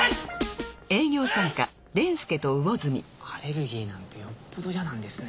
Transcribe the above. アレルギーなんてよっぽど嫌なんですね。